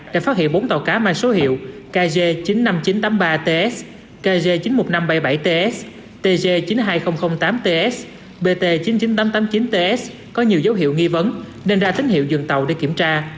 đã phát hiện bốn tàu cá mang số hiệu kg chín mươi năm nghìn chín trăm tám mươi ba tsk chín mươi một nghìn năm trăm bảy mươi bảy ts tg chín mươi hai nghìn tám ts bt chín mươi chín nghìn tám trăm tám mươi chín ts có nhiều dấu hiệu nghi vấn nên ra tín hiệu dừng tàu để kiểm tra